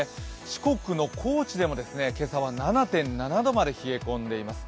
四国の高知でも今朝は７．７度まで冷え込んでいます。